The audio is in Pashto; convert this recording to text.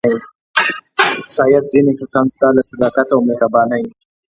شاید ځینې کسان ستا له صداقت او مهربانۍ.